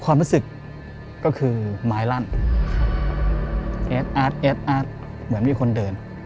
ความรู้สึกก็คือไม้ลั่นแอดอาร์ดแอดอาร์ดเหมือนมีคนเดิน